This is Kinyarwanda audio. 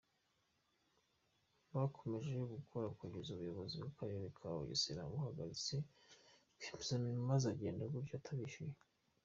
Bakomeje gukora kugeza ubuyobozi bw’Akarere ka Bugesera buhagaritse rwiyemezamirimo maze agenda gutyo atabishyuye.